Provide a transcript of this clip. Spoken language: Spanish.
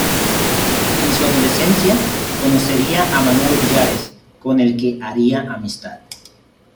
En su adolescencia conocería a Manolo Millares, con el que haría amistad.